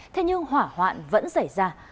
thế nhưng hỏa hoạn vẫn xảy ra